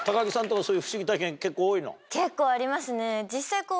結構ありますね。